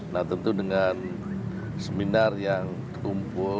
nah tentu dengan seminar yang kumpul